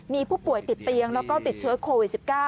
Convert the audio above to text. มีผู้ป่วยติดเตียงแล้วก็ติดเชื้อโควิด๑๙